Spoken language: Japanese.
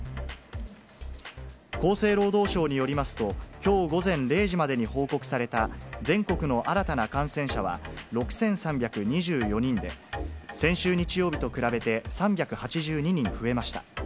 厚生労働省によりますと、きょう午前０時までに報告された、全国の新たな感染者は６３２４人で、先週日曜日と比べて、３８２人増えました。